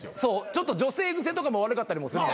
ちょっと女性癖とかも悪かったりもする。